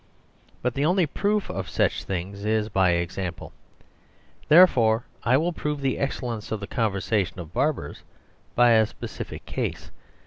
But the only proof of such things is by example; therefore I will prove the excellence of the conversation of barbers by a specific case.